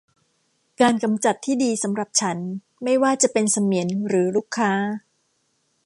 การกำจัดที่ดีสำหรับฉัน ไม่ว่าจะเป็นเสมียนหรือลูกค้า